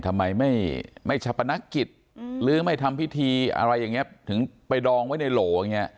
ทำไมไม่ชะปนักกิจหรือไม่ทำพิธีอะไรอย่างนี้ถึงไปดองไว้ในโหลอย่างนี้